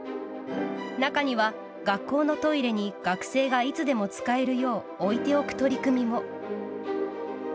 中には、学校のトイレに学生がいつでも使えるよう置いておく取り組みも。